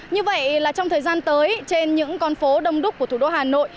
như vậy là trong thời gian tới trên những con phố đông đúc của thủ đô hà nội